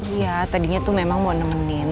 iya tadinya tuh memang mau nemenin